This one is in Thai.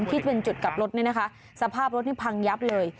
ที่เป็นจุดกลับรถเนี่ยนะคะสภาพรถนี่พังยับเลย